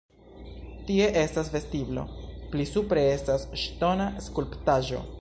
Tie estas vestiblo, pli supre estas ŝtona skulptaĵo.